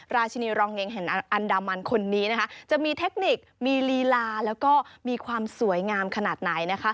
ราชินีรองเฮงแห่งอันดามันคนนี้นะคะจะมีเทคนิคมีลีลาแล้วก็มีความสวยงามขนาดไหนนะคะ